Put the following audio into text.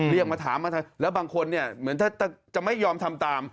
เรียกมาถามแล้วบางคนเหมือนจะไม่ยอมทำตาม